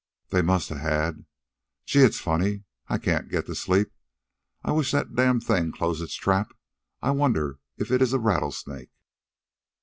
They must a had. Gee! It's funny I can't get asleep. I wish that damned thing'd close its trap. I wonder if it is a rattlesnake."